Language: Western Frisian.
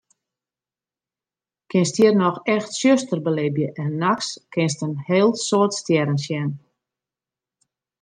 Kinst hjir noch echt tsjuster belibje en nachts kinst in heel soad stjerren sjen.